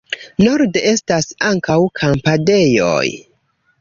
Norde estas ankaŭ kampadejoj.